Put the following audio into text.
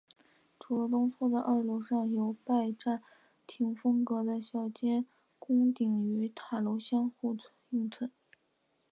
主楼东侧的二楼上有拜占廷风格的小尖穹顶与塔楼相互映衬。